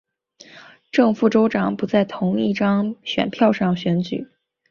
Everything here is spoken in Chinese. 正副州长不在同一张选票上选举。